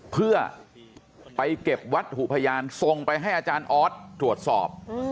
เพื่อไปเก็บวัตถุพยานส่งไปให้อาจารย์ออสตรวจสอบ